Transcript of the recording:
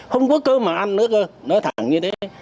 không có cơ mà ăn nữa cơ nói thẳng như thế